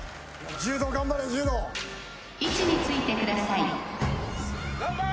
柔道頑張れ柔道位置についてください・ガンバ！